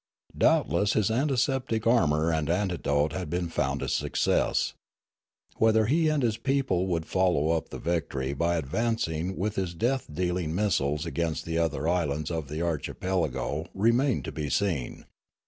Doubt less his antiseptic armour and antidote had been found a success. Whether he and his people would follow up the victory by advancing with his death dealing mis siles against the other islands of the archipelago re mained to be seen.